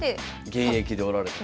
現役でおられたと。